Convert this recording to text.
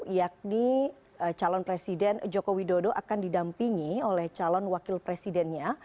yakni calon presiden joko widodo akan didampingi oleh calon wakil presidennya